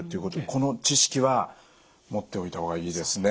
この知識は持っておいた方がいいですね。